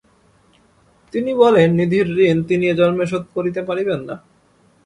তিনি বলেন, নিধির ঋণ তিনি এ জন্মে শোধ করিতে পারিবেন না।